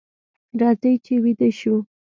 راځئ چې ویده شو.